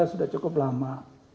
sudah cukup lama